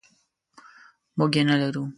موږ یې نلرو.